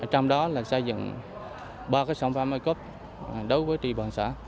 trong đó xây dựng ba sản phẩm ocope đối với địa bàn xã